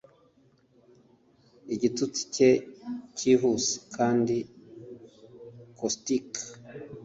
Igitutsi cye cyihuse kandi caustic